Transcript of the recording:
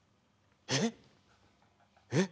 えっ？えっ？